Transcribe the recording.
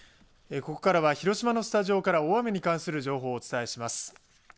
ここからは広島のスタジオから大雨に関する情報をお伝えします。